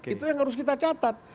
itu yang harus kita catat